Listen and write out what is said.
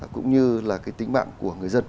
cũng như là cái tính mạng của người dân